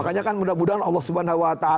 makanya kan mudah mudahan allah swt